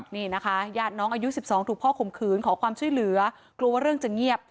นี่นะคะญาติน้องอายุ๑๒ถูกพ่อข่มขืนขอความช่วยเหลือกลัวว่าเรื่องจะเงียบ